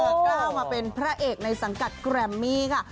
ก้าวมาเป็นพระเอกในสังกัดแกรมมี่ค่ะ